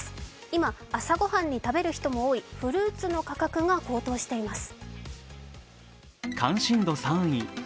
今、朝御飯に食べる人も多いフルーツの価格が高騰しています。